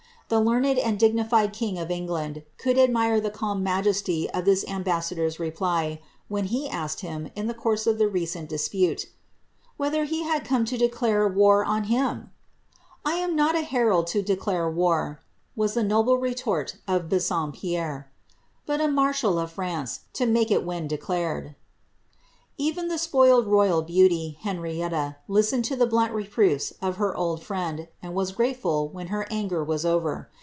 The learned and dignified king of England could admire the calm majesty of this ambusador's reply, when he asked him, in the course of the recent dispute, ^ Whether he had come to declare war on him ?"^ I am not a herald to declare war,^ was the noble retort of Bassompierre, ^ but a marshal of France, to make it when declared." Even the spoiled royal beauty, Henrietta, listened to the blunt reproofs of her old friend, and was grateful when her anger was over.